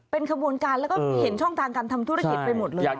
เป็นขบวนการแล้วก็เห็นช่องทางการทำธุรกิจไปหมดเลย